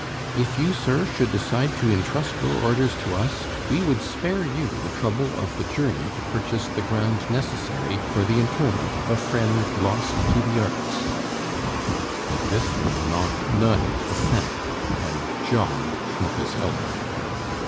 "If you, sir, should decide to intrust your orders to us, we would spare you the trouble of the journey to purchase the ground necessary for the interment of a friend lost to the arts " At this Remonencq nodded assent, and jogged Schmucke's elbow.